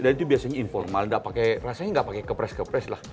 dan itu biasanya informal rasanya nggak pakai kepres kepres lah